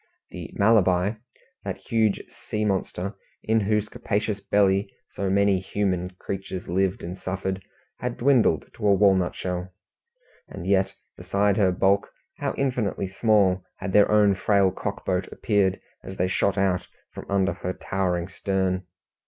The Malabar, that huge sea monster, in whose capacious belly so many human creatures lived and suffered, had dwindled to a walnut shell, and yet beside her bulk how infinitely small had their own frail cockboat appeared as they shot out from under her towering stern!